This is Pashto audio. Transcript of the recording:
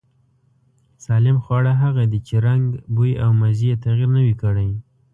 سالم خواړه هغه دي چې رنگ، بوی او مزې يې تغير نه وي کړی.